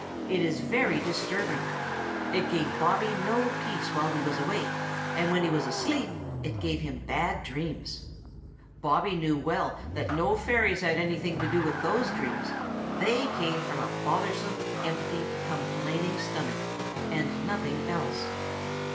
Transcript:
It is very disturbing. It gave Bobby no peace while he was awake, and when he was asleep it gave him bad dreams. Bobby knew very well that no fairies had anything to do with those dreams; they came from a bothersome, empty, complaining stomach and nothing else.